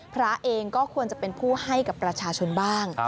พระเองก็ควรจะเป็นผู้ให้กับประชาชนบ้าง